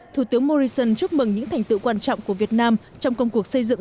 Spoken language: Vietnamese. thủ tướng morrison chúc mừng những thành tựu quan trọng của việt nam trong công cuộc xây dựng